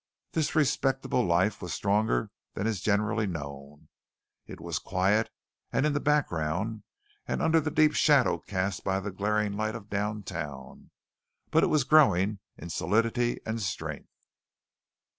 This respectable life was stronger than is generally known. It was quiet and in the background, and under the deep shadow cast by the glaring light of downtown, but it was growing in solidity and strength.